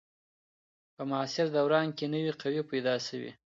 په معاصر دوران کي نوي قوې پیدا سوې.